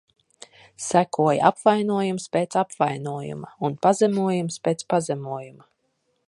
Sekoja apvainojums pēc apvainojuma un pazemojums pēc pazemojuma.